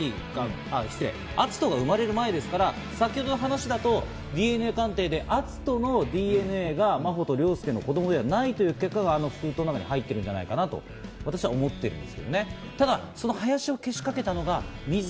篤斗が生まれる前ですから、先程の話だと、ＤＮＡ鑑定で篤斗のＤＮＡが真帆と凌介の子供ではないという結果があの封筒に入ってるんじゃないかと私は思ってます。